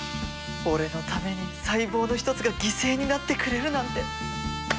俺のために細胞の１つが犠牲になってくれるなんて。